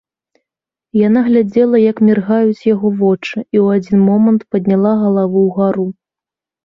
Яна глядзела, як міргаюць яго вочы, і ў адзін момант падняла галаву ўгару.